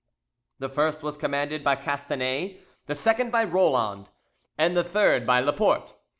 The first was commanded by Castanet, the second by Roland, and the third by Laporte.